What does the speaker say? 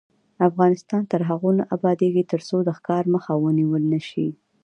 افغانستان تر هغو نه ابادیږي، ترڅو د ښکار مخه ونیول نشي.